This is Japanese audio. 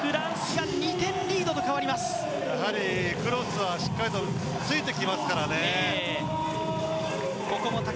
やはりクロスは、しっかりとついてきますからね。